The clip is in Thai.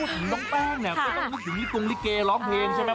ถ้าพูดถึงน้องแป้งเนี่ยก็ต้องรู้ถึงนี่ตรงริเกย์ร้องเพลงใช่ไหม